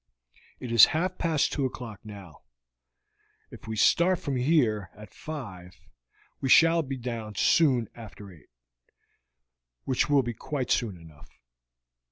It is half past two o'clock now; if we start from here at five we shall be down soon after eight, which will be quite soon enough.